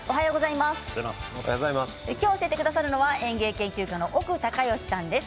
今日、教えてくださるのは園芸研究家の奥隆善さんです。